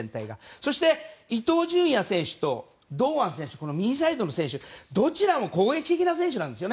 そして、伊東純也選手と堂安選手右サイドの選手どちらも攻撃的な選手なんです。